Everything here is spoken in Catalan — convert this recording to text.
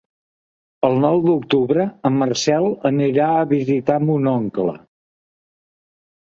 El nou d'octubre en Marcel anirà a visitar mon oncle.